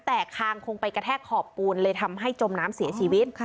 แต่คางคงไปกระแทกขอบปูนเลยทำให้จมน้ำเสียชีวิต